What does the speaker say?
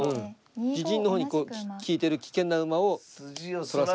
自陣の方に利いてる危険な馬をそらす。